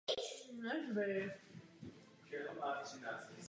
Na sklonku života zastával rovněž funkci prezidenta rakouského Červeného kříže.